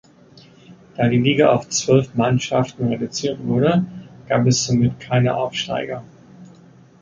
Da die Liga auf zwölf Mannschaften reduziert wurde, gab es somit keine Aufsteiger.